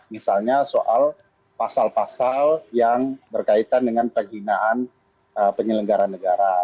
misalnya soal pasal pasal yang berkaitan dengan penghinaan penyelenggara negara